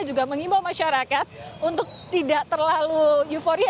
juga mengimbau masyarakat untuk tidak terlalu euforia